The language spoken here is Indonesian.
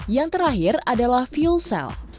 yang terakhir adalah fuel cell